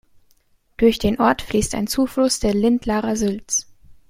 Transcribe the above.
Durch den Ort fließt ein Zufluss der Lindlarer Sülz.